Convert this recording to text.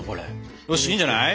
よしいいんじゃない？